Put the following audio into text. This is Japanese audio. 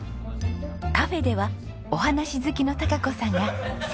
カフェではお話し好きの貴子さんが接客担当。